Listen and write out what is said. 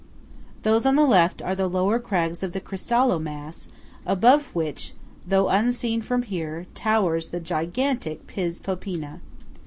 Those on the left are the lower crags of the Cristallo mass, above which, though unseen from here, towers the gigantic Piz Popena.